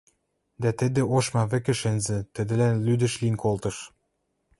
Дӓ тӹдӹ ошма вӹкӹ шӹнзӹ, тӹдӹлӓн лӱдӹш лин колтыш.